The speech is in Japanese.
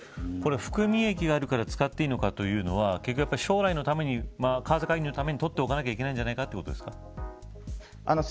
含み益があるから使っていいのかというのは結局、将来のために為替介入のために取っておかなければいけないんじゃないかということですか。